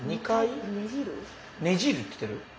２回ねじる？